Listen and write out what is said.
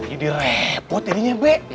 ini repot ini nyebek